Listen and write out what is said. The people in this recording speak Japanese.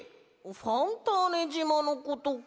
ファンターネじまのことか。